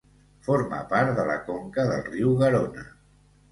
Forma part de la conca del riu Garona.